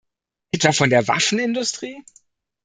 Etwa von der Waffenindustrie?